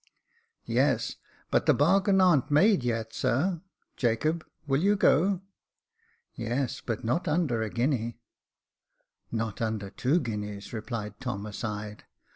" Yes ; but the bargain a'n't made yet, sir. Jacob, will you go ?"" Yes, but not under a guinea." "Not under two guineas," replied Tom, aside.